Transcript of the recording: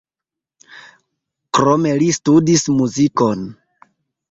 Krome li studis muzikon.